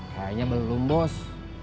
kayaknya belum bos